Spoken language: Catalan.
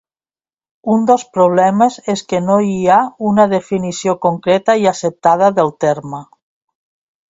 Un dels problemes és que no hi ha una definició concreta i acceptada del terme.